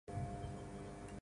Blank